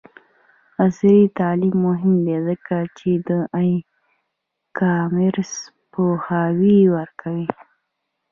عصري تعلیم مهم دی ځکه چې د ای کامرس پوهاوی ورکوي.